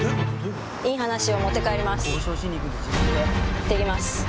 行ってきます。